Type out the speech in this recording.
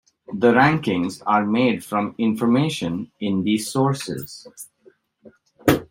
The rankings are made from information in these sources.